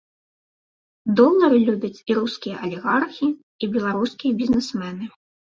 Долары любяць і рускія алігархі, і беларускія бізнесмены.